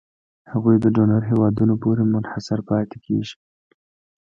هغوی د ډونر هېوادونو پورې منحصر پاتې کیږي.